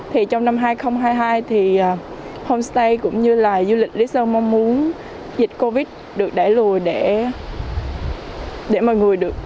trong năm hai nghìn hai mươi hai homestay cũng như du lịch lý sơn mong muốn dịch covid được đẩy lùi